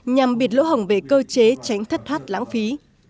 nhằm biệt lỗ hổng về cơ chế tránh thất thoát lãng phí